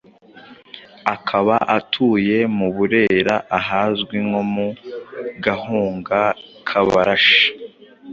akaba atuye mu Burera ahazwi nko mu Gahunga k’Abarashi.